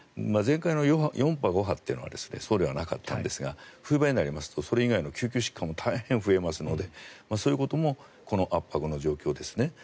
前回の４波、５波はそうではなかったんですが冬場になりますとそれ以外の救急疾患も大変増えますのでそういうこともこの圧迫の状況ですね。